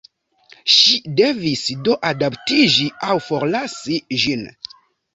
Ŝi devis, do, adaptiĝi aŭ forlasi ĝin.